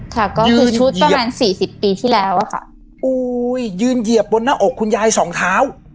ค่ะก็คือชุดประมาณสี่สิบปีที่แล้วอะค่ะโอ้ยยืนเหยียบบนหน้าอกคุณยายสองเท้า